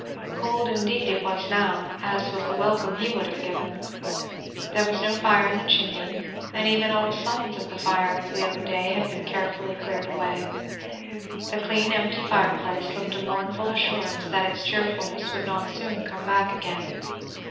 Cold indeed it was now, as was the welcome he would have given. There was no fire in the chimney, and even all the signs of the fire of the other day had been carefully cleared away; the clean empty fireplace looked a mournful assurance that its cheerfulness would not soon come back again.